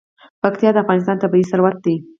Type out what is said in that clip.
پکتیا د افغانستان طبعي ثروت دی.